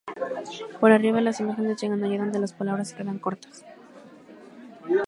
Por arriba, las imágenes llegan allá donde las palabras se quedan cortas.